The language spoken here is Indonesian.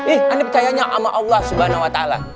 eh ane percayanya sama allah subhanahu wa ta'ala